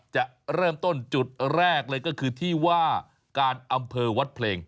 จะเริ่มต้นจุดแรกเลยก็คือที่ว่าการอำเภอวัดเพลง